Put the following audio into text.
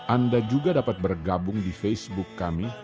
anda juga dapat bergabung di facebook kami